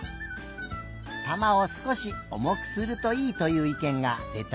玉をすこしおもくするといいといういけんがでたよ。